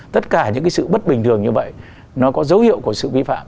tất cả những cái sự bất bình thường như vậy nó có dấu hiệu của sự vi phạm